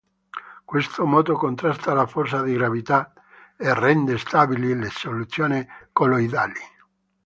Questo moto contrasta la forza di gravità e rende stabili le soluzioni colloidali.